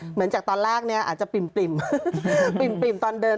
เหมือนจากตอนแรกเนี่ยอาจจะปริ่มปิ่มตอนเดิน